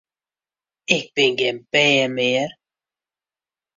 Ik bin gjin bern mear!